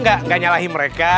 gak nyalahi mereka